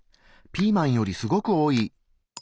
ピーマンよりすごく多い！